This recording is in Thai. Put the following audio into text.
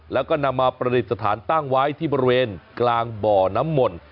แล้วก็นำมาประดิษฐานตั้งไว้ที่บริเวณกลางบ่อน้ำมนต์